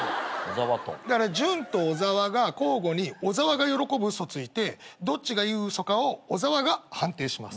潤と小沢が交互に小沢が喜ぶ嘘ついてどっちがいい嘘かを小沢が判定します。